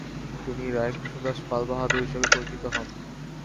তিনি "রায় কৃষ্ণদাস পাল বাহাদুর" হিসাবে পরিচিত হন।